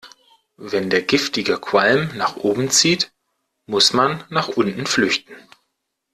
Wenn der giftige Qualm nach oben zieht, muss man nach unten flüchten.